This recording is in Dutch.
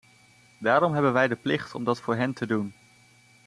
Daarom hebben wij de plicht om dat voor hen te doen.